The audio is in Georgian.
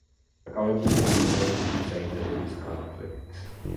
დაკავებულია მომავალი დიზაინერების განათლებით.